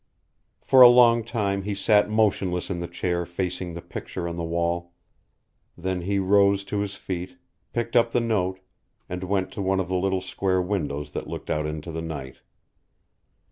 For a long time he sat motionless in the chair facing the picture on the wall. Then he rose to his feet, picked up the note, and went to one of the little square windows that looked out into the night.